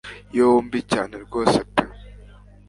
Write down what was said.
yombi cyane rwose pe